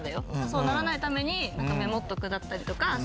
そうならないためにメモっとくだったりとか。